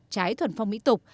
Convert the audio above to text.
trái thuần phong mỹ tục